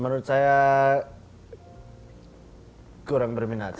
menurut saya kurang berminat